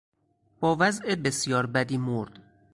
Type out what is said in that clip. با وضع بسیار بدی مرد.